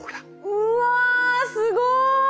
うわすごい！